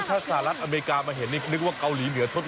ตรงที่มันมีคนแต่ต้องวิ่งหนีให้ทัน